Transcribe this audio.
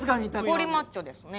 ゴリマッチョですね。